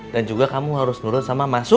dan juga kamu harus nurut sama masu